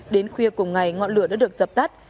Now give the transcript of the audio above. đến khuya cùng ngày ngọn lửa đã được dập tắt